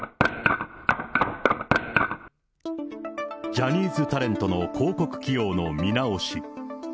ジャニーズタレントの広告起用の見直し。